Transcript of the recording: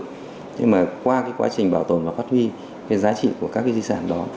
nhưng mà qua cái quá trình bảo tồn và phát huy cái giá trị của các cái di sản đó